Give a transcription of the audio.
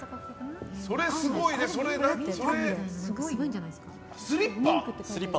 それすごいね、それスリッパ？